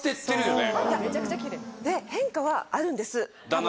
変化はあるんです多分。